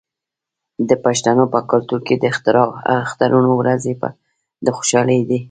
د پښتنو په کلتور کې د اخترونو ورځې د خوشحالۍ دي.